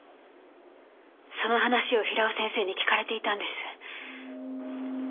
その話を平尾先生に聞かれていたんです。